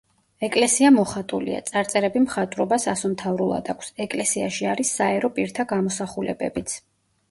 ეკლესია მოხატულია, წარწერები მხატვრობას ასომთავრულად აქვს, ეკლესიაში არის საერო პირთა გამოსახულებებიც.